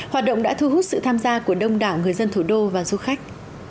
hoạt động đã thu hút sự tham gia của đông đảo người dân thủ đô và du khách